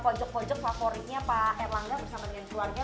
pojok pojok favoritnya pak erlang jahartarto bersama dengan keluarganya